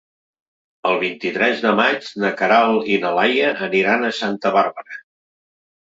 El vint-i-tres de maig na Queralt i na Laia aniran a Santa Bàrbara.